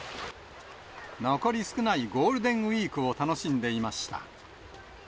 残り少ないゴールデンウィークを楽しんでいました。